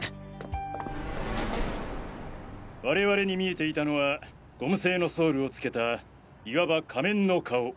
我々に見えていたのはゴム製のソールを付けたいわば仮面の顔。